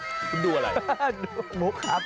คุณดูอะไร